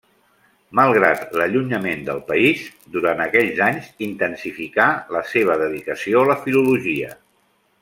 Malgrat l'allunyament del país, durant aquells anys intensificà la seva dedicació a la filologia.